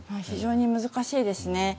非常に難しいですね。